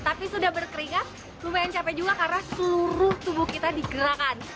tapi sudah berkeringat lumayan capek juga karena seluruh tubuh kita digerakkan